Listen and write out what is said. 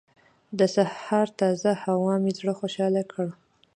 د سهار تازه هوا مې زړه خوشحاله کړ.